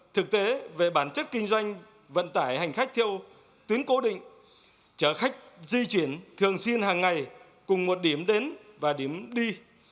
thực tế về bản chất kinh doanh vận tải hành khách theo tuyến cố định chở khách di chuyển thường xuyên hàng ngày cùng một điểm đến và điểm đi